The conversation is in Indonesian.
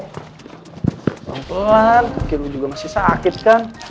pelan pelan kaki lu juga masih sakit kan